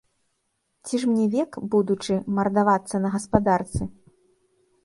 Ці ж мне век, будучы, мардавацца на гаспадарцы?